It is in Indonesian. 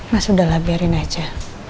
mas udahlah biarin aja